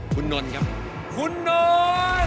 คุณน้อนครับคุณน้อน